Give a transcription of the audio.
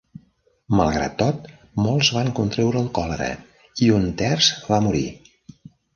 Malgrat tot, molts van contreure el còlera i un terç va morir.